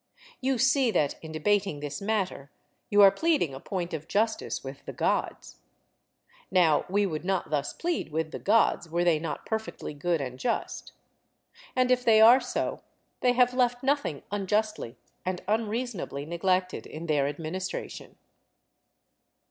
You see that, in debating this matter, you are pleading a point of justice with the Gods. Now we would not thus plead with the Gods were they not perfectly good and just. And, if they are so, they have left nothing unjustly and unreasonably neglected in their administration.